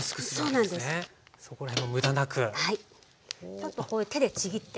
ちょっとこう手でちぎって。